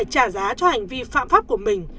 trả giá cho hành vi phạm pháp của mình